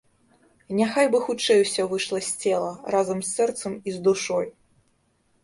Няхай бы хутчэй усё выйшла з цела, разам з сэрцам і з душой!